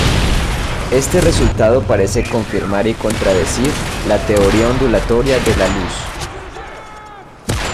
Este resultado parece confirmar y contradecir la teoría ondulatoria de la luz.